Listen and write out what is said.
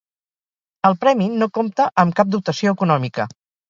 El premi no compta amb cap dotació econòmica.